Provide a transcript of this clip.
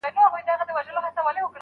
هره ګیله دي منم ګرانه پر ما ښه لګیږي